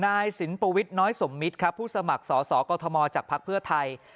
นายสินปวิทย์น้อยสมมิตรครับผู้สมัครสอสอกอทมจากภักดิ์เพื่อไทย